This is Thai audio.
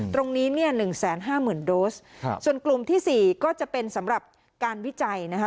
ตรงนี้๑๕๐๐๐๐๐โดสส่วนกลุ่มที่๔ก็จะเป็นสำหรับการวิจัยนะคะ